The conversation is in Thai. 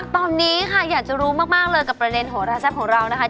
ตอนนี้ค่ะอยากจะรู้มากเลยกับประเด็นโหราแซ่บของเรานะคะ